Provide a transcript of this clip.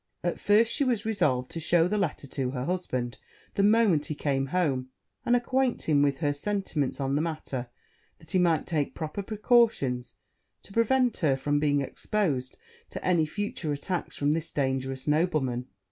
At first she was resolved to shew the letter to her husband the moment he came home, and acquaint him with her sentiments on the matter, that he might take proper precautions to prevent her from being exposed to any future attacks from this dangerous nobleman.